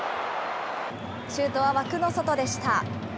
シュートは枠の外でした。